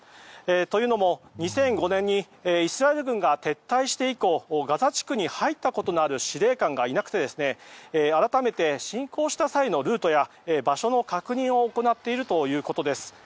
というのも、２００５年にイスラエル軍が撤退して以降ガザ地区に入ったことのある司令官がいなくて改めて侵攻した際のルートや場所の確認を行っているということです。